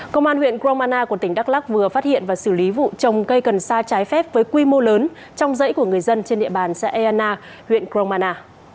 công an huyện kromana của tỉnh đắk lắc vừa phát hiện và xử lý vụ trồng cây cần sa trái phép với quy mô lớn trong dãy của người dân trên địa bàn xã eana huyện kromana